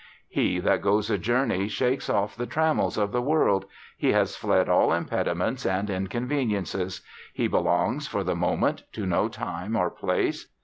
He that goes a journey shakes off the trammels of the world; he has fled all impediments and inconveniences; he belongs, for the moment, to no time or place.